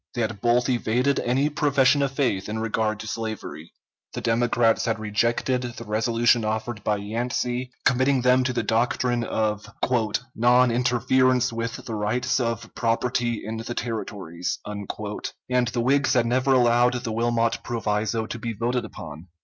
They had both evaded any profession of faith in regard to slavery. The Democrats had rejected the resolution offered by Yancey committing them to the doctrine of "non interference with the rights of property in the territories," and the Whigs had never allowed the Wilmot proviso to be voted upon.